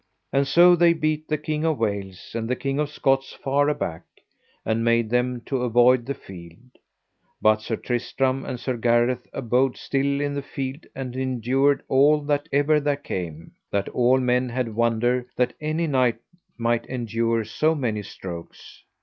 And so they beat the King of Wales and the King of Scots far aback, and made them to avoid the field; but Sir Tristram and Sir Gareth abode still in the field and endured all that ever there came, that all men had wonder that any knight might endure so many strokes.